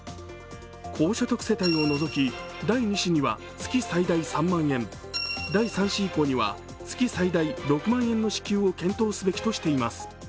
高所得世帯を除き、第２子には月最大３万円、第３子以降には月最大６万円の支給を検討すべきとしています。